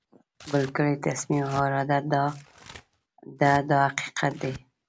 بلکې تصمیم او اراده ده دا حقیقت دی.